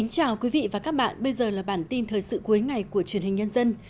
chào các bạn bây giờ là bản tin thời sự cuối ngày của truyền hình nhân dân